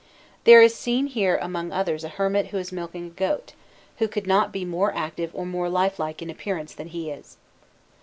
There is seen here among others a hermit who is milking a goat, who could not be more active or more lifelike in appearance than he is.